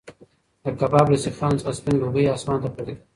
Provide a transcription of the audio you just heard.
د کباب له سیخانو څخه سپین لوګی اسمان ته پورته کېده.